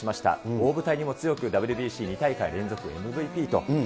大舞台にも強く、ＷＢＣ２大会連続ＭＶＰと。